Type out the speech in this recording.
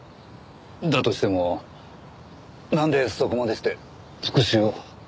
だとしてもなんでそこまでして復讐を？